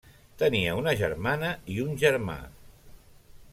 Tenia una germana i un germà.